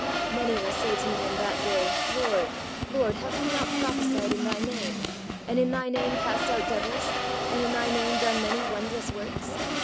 Many will say to Me in that day. Lord, Lord, have we not prophesied in Thy name ? and in Thy name cast out devils ? and in Thy name done many wondrous works?